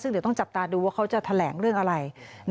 ซึ่งเดี๋ยวต้องจับตาดูว่าเขาจะแถลงเรื่องอะไร